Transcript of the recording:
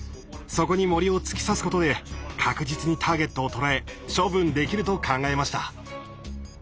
そこに銛を突き刺すことで確実にターゲットを捉え処分できると考えました。